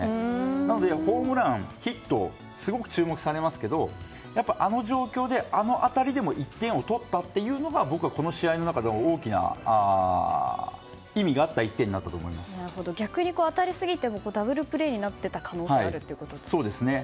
なのでホームラン、ヒットがすごく注目されますけどあの状況であの当たりでも１点を取ったというのがこの試合の中でも大きな意味があった逆に当たりすぎてもダブルプレーになっていた可能性があるというこですね。